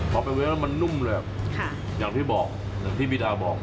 พอไปเว้นแล้วมันนุ่มเลยอย่างที่บอกอย่างที่บีดาบอก